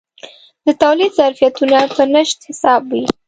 د تولید ظرفیتونه په نشت حساب وي.